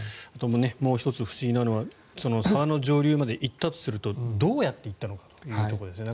もう１つ不思議なのは沢の上流まで行ったとするとどうやって行ったのかということですね。